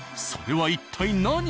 それは一体何？